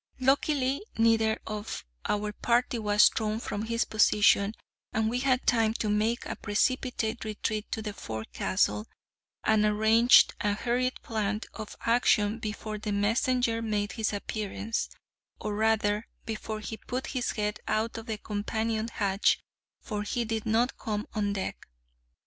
Luckily, neither of our party was thrown from his position, and we had time to make a precipitate retreat to the forecastle, and arrange a hurried plan of action before the messenger made his appearance, or rather before he put his head out of the companion hatch, for he did not come on deck.